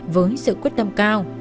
với sự quyết tâm cao